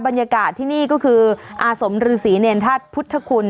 บรรยากาศที่นี่ก็คืออาสมรือศรีเนรทัศน์พุทธคุณ